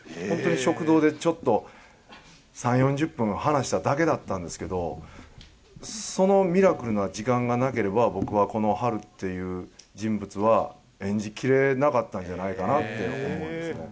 本当に食堂でちょっと３、４０分話しただけだったんですけど、そのミラクルな時間がなければ、自分はこのハルっていう人物は、演じきれなかったんじゃないかなって思うんです。